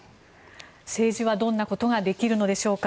政治はどんなことができるのでしょうか。